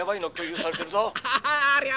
「ありゃ！